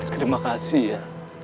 terima kasih ya